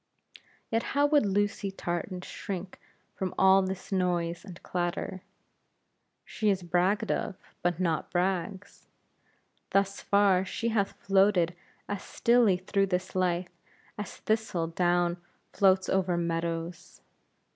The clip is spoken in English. Yet, how would Lucy Tartan shrink from all this noise and clatter! She is bragged of, but not brags. Thus far she hath floated as stilly through this life, as thistle down floats over meadows.